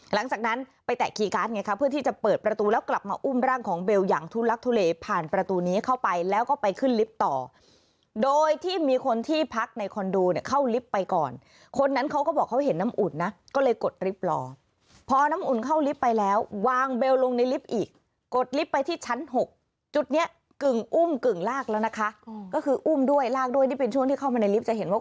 หลังจากนั้นไปแตะคีย์การ์ดไงครับเพื่อที่จะเปิดประตูแล้วกลับมาอุ้มร่างของเบลอย่างทุลักษณ์ทุเลผ่านประตูนี้เข้าไปแล้วก็ไปขึ้นลิฟต่อโดยที่มีคนที่พักในคอนโดเข้าลิฟต์ไปก่อนคนนั้นเขาก็บอกเขาเห็นน้ำอุ่นนะก็เลยกดลิฟต์รอพอน้ำอุ่นเข้าลิฟต์ไปแล้ววางเบลลงในลิฟต์อีกกดลิฟต์ไปที่ชั้น๖